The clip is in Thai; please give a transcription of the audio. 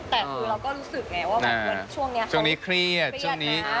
แต่เราก็รู้สึกว่าช่วงนี้เครียดขึ้นงานเยอะ